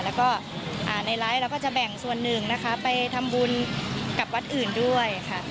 แล้วก็ในไลฟ์เราก็จะแบ่งส่วนหนึ่งนะคะไปทำบุญกับวัดอื่นด้วยค่ะ